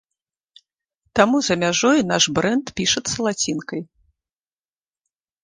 Таму за мяжой наш брэнд пішацца лацінкай.